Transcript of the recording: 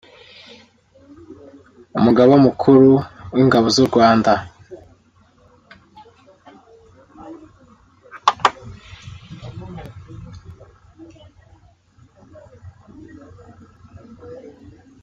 Umugaba mukuru w’ingabo z’u Rwanda